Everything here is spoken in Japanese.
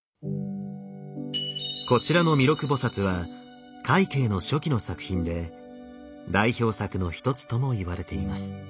こちらの弥勒菩は快慶の初期の作品で代表作の一つともいわれています。